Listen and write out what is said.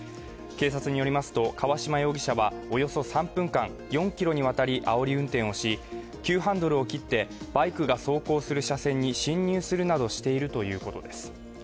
警察によりますと川島容疑者はおよそ３分間、４ｋｍにわたりあおり運転をし、急ハンドルを切手バイクが走行する車線に侵入するなどしているということです。